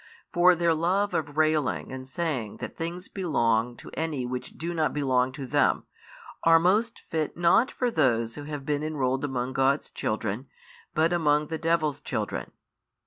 For their love of railing and saying that things belong to any which do not belong to them, are most fit not for those who have been enrolled among God's children but among the devil's children.